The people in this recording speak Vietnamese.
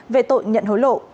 về tội nhận hối lộ